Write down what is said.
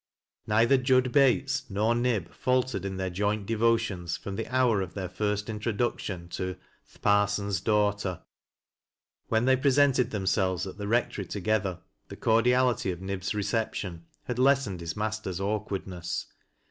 ITeither Jud Bates nor Nib faltered in their joint devotions from the hour of their first introduction to " th' Parson's daughter." When they presented themselves at the Rectory together, the cordiality of Nib's reception had lessened his master's awkwardness.